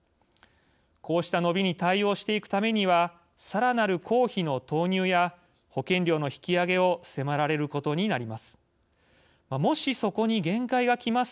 こうした伸びに対応していくためにはさらなる公費の投入や保険料の引き上げを迫られることになります。